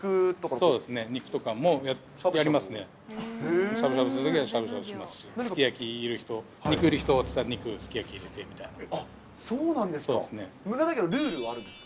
そうですね、肉とかもやりますね、しゃぶしゃぶのときはしゃぶしゃぶしますし、すき焼きいる人、肉いる人？って言ったら、そうなんですか。